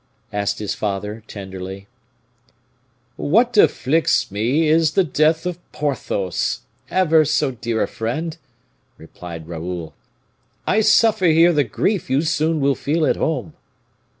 asked his father, tenderly. "What afflicts me is the death of Porthos, ever so dear a friend," replied Raoul. "I suffer here the grief you soon will feel at home."